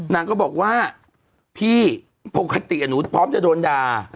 นางก็บอกว่าพี่ปกติหนูพร้อมจะโดนด่า